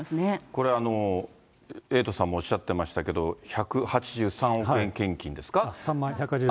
これ、エイトさんもおっしゃってましたけれども、１８３億円献金ですか。